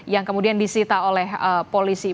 yang kemudian disita oleh polisi